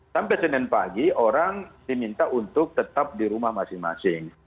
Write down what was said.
sampai senin pagi orang diminta untuk tetap di rumah masing masing